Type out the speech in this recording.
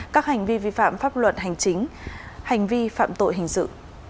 các hành vi vi phạm pháp luật hành chính hành vi phạm tội hình sự